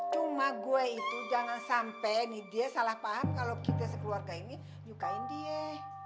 cuma gue itu jangan sampai dia salah paham kalau kita sekeluarga ini nyukain dia